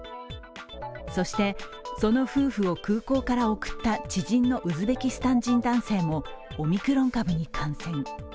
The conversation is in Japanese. そして、その夫婦を空港から送った知人のウズベキスタン人男性もオミクロン株に感染。